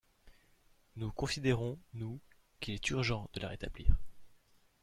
Nous considérons, nous, qu’il est urgent de la rétablir.